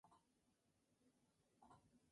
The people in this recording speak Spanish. Los escarabajos femeninos inician los ataques.